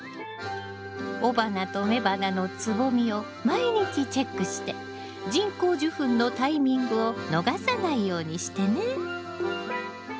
雄花と雌花のつぼみを毎日チェックして人工授粉のタイミングを逃さないようにしてね。